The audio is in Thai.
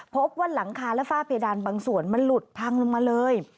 พบว่าหลังคาและฝ้าเพดานบางส่วนมันหลุดพังลงมาเลย